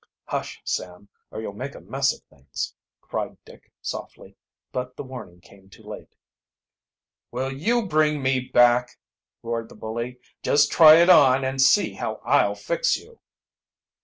"Hush, Sam, or you'll make a mess of things!" cried Dick softly, but the warning came too late. "Will you bring me back?" roared the bully. "Just try it on and see how I'll fix you."